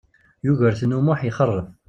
Yugurten U Muḥ ixeṛṛef.